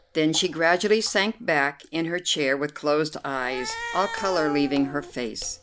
Then she gradually sank back in her chair with closed eyes, all colour leaving her face.